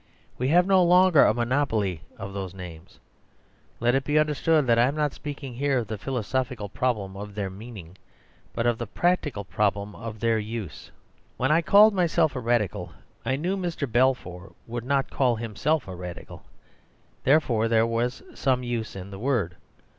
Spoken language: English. We have no longer a monopoly of these names. Let it be understood that I am not speaking here of the philosophical problem of their meaning, but of the practical problem of their use. When I called myself a Radical I knew Mr. Balfour would not call himself a Radical; therefore there was some use in the word.